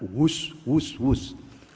karena kita harus berusaha